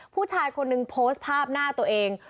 ผู้ชายคนนึงโพสต์ภาพหน้าตัวเอง